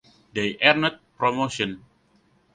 They earned promotion.